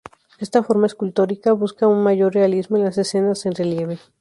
Esta forma escultórica busca un mayor realismo en las escenas en relieve.